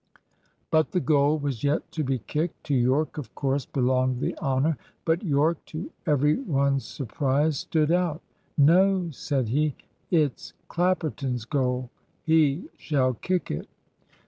But the goal was yet to be kicked. To Yorke, of course, belonged the honour. But Yorke, to every one's surprise, stood out. "No," said he. "It's Clapperton's goal; he shall kick it."